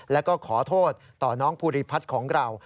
แล้วก็ขอโทษต่อน้องภูริพัฒน์ของเรา